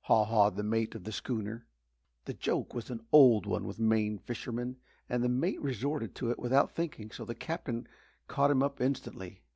haw hawed the mate of the schooner. The joke was an old one with Maine fishermen and the mate resorted to it without thinking, so the Captain caught him up instantly.